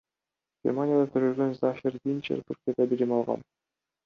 Германияда төрөлгөн Зафер Динчер Түркияда билим алган.